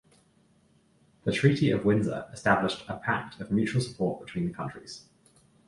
The Treaty of Windsor established a pact of mutual support between the countries.